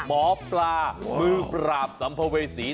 หมอปลามือปราบสัมภเวษี